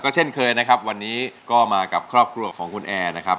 เช่นเคยนะครับวันนี้ก็มากับครอบครัวของคุณแอร์นะครับ